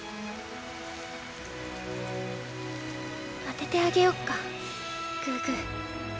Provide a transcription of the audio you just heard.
当ててあげよっかグーグー。